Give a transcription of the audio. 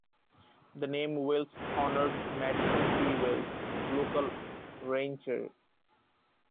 The name Wells honored Madison P. Wells, local rancher.